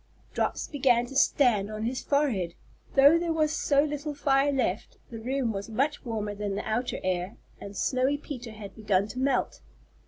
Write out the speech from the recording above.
Drops began to stand on his forehead. Though there was so little fire left, the room was much warmer than the outer air, and Snowy Peter had begun to melt.